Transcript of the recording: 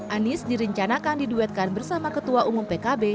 anies direncanakan diduetkan bersama ketua umum pkb